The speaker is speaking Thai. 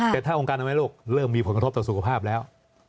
แต่ถ้าองค์การอนามัยโลกเริ่มมีผลกระทบต่อสุขภาพแล้ว